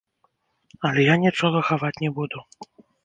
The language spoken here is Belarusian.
Але я нічога хаваць не буду.